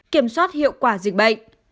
kiểm soát hiệu quả dịch bệnh